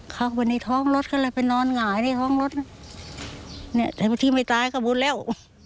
เข้าไปในท้องรถก็เลยไปนอนหงายในท้องรถเนี่ยแต่บางทีไม่ตายก็บุญแล้ว